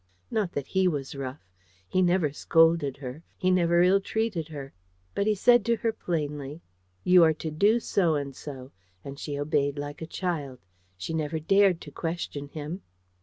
Not that he was rough. He never scolded her; he never illtreated her; but he said to her plainly, "You are to do so and so;" and she obeyed like a child. She never dared to question him.